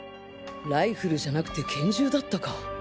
ライフルじゃなくて拳銃だったか。